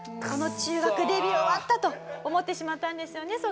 この中学デビュー終わったと思ってしまったんですよね